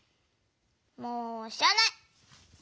もうしらない！